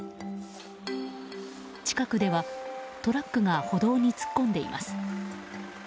近くではトラックが歩道に突っ込んでいます。